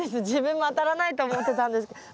自分も当たらないと思ってたんです。